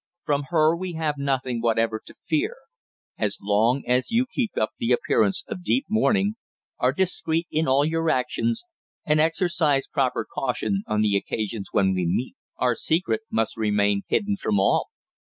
"From her we have nothing whatever to fear. As long as you keep up the appearance of deep mourning, are discreet in all your actions, and exercise proper caution on the occasions when we meet, our secret must remain hidden from all."